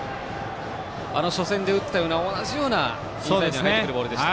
初戦で打ったような同じようなインサイドに入ってくるボールでした。